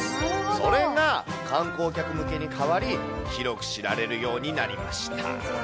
それが観光客向けに変わり、広く知られるようになりました。